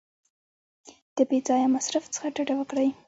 د بې ځایه مصرف څخه ډډه وکړئ.